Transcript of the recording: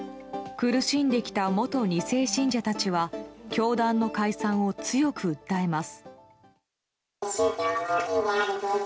苦しんできた元２世信者たちは教団の解散を強く訴えます。